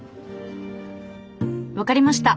「わかりました！